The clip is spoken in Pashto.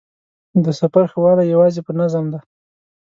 د سفر ښه والی یوازې په نظم دی.